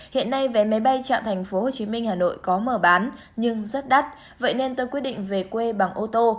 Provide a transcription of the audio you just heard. hiện nay vé máy bay chặn tp hcm hà nội có mở bán nhưng rất đắt vậy nên tôi quyết định về quê bằng ô tô